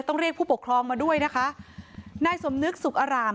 ต้องเรียกผู้ปกครองมาด้วยนะคะนายสมนึกสุขอราม